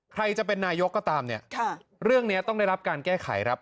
ใครจะเป็นนายกก็ตามเนี่ยเรื่องนี้ต้องได้รับการแก้ไขครับ